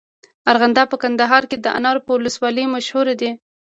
ارغنداب په کندهار کي د انارو په ولسوالۍ مشهوره دی.